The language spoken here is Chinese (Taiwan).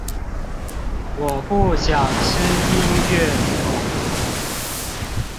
我不想吃音樂果